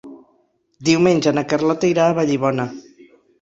Diumenge na Carlota irà a Vallibona.